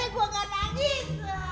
gimana gue gak radis